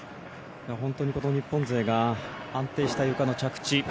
本当にこの日本勢が安定したゆかの着地